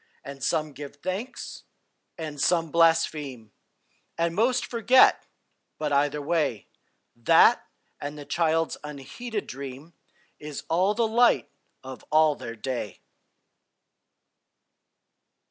And give some thanks, and some blaspheme, And most forget, but, either way, That and the child's unheeded dream Is all the light of all their day.